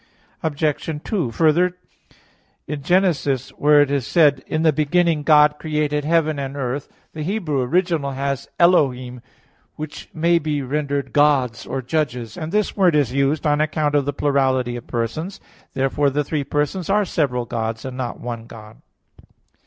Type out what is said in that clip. Obj. 2: Further, Gen. 1:1, where it is said, "In the beginning God created heaven and earth," the Hebrew original has "Elohim," which may be rendered "Gods" or "Judges": and this word is used on account of the plurality of persons. Therefore the three persons are "several Gods," and not "one" God.